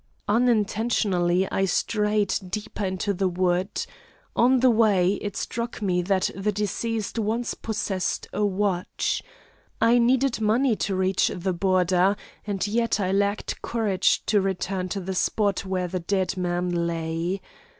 "Unintentionally I strayed deeper into the wood. On the way, it struck me that the deceased once possessed a watch. I needed money to reach the border and yet I lacked courage to return to the spot, where the dead man lay.